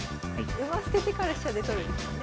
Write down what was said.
馬捨ててから飛車で取るんですかね。